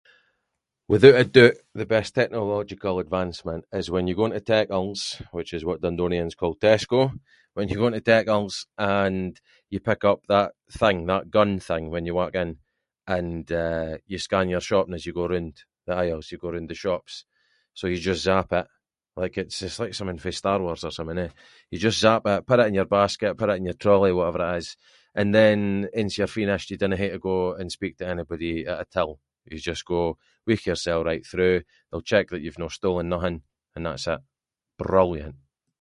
Withoot a doobt the best technological advancement is when you go into [inc] which is what Dundonian’s call Tesco, when you go into [inc] and you pick up that thing, that gun thing, when you walk in, and eh, you scan your shopping as you go roond the aisles, you go roond the shops, so you just zap it like it’s- it’s like something from Star Wars or something eh, you just zap it, put it in your basket, put it in your trolly whatever it is and then aince you’re finished you dinna hae to go and speak to anybody at a till, you just go wheech yourself right through, they’ll check that you’ve no stolen nothing, then that’s it, brilliant.